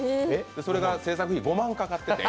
それが製作費５万かかってて。